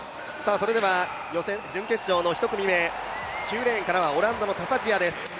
それでは予選準決勝の１組目、９レーンからはオランダのタサ・ジヤです。